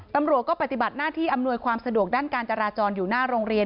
ตำรวจก็ปฏิบัติหน้าที่อำนวยความสะดวกด้านการจราจรอยู่หน้าโรงเรียน